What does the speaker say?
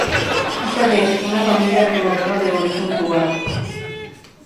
Hija de una familia acomodada de origen cubano.